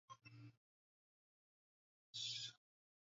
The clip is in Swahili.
mto ruaha unatoka usangu kuingia unapitia hifadhi ya taifa ya ruaha